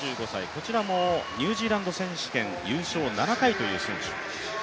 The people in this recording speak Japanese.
こちらもニュージーランド選手権優勝７回という選手。